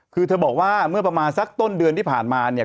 คือเธอบอกว่าเมื่อประมาณสักต้นเดือนที่ผ่านมาเนี่ย